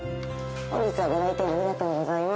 本日はご来店ありがとうございます。